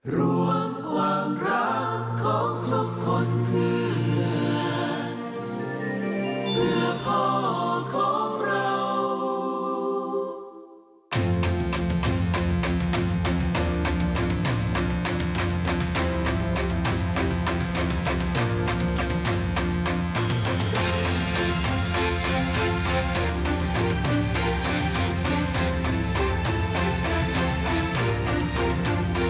รวมความรักของทุกคนเพื่อพ่อของเรา